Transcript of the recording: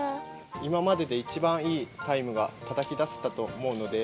今までで一番いいタイムがたたき出せたと思うので、